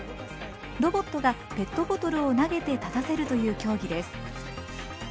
ロボットがペットボトルを投げて立たせるという競技です。